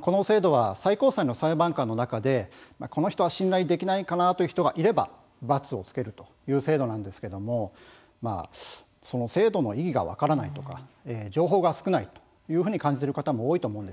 この制度は最高裁の裁判官の中でこの人は信頼できないかなという人がいれば「×」をつけるという制度なんですけれどもその制度の意義が分からないとか情報が少ないと感じる方も多いと思います。